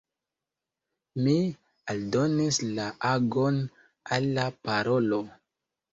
Mi aldonis la agon al la parolo.